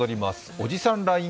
おじさんＬＩＮＥ